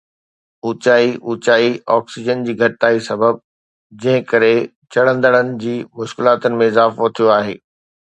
اوچائي اوچائي آڪسيجن جي گھٽتائي سبب. جنهن ڪري چڙهندڙن جي مشڪلاتن ۾ اضافو ٿيو آهي